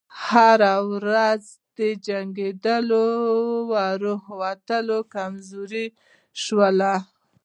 هره ورځ یې جنګي روحیات کمزوري شول.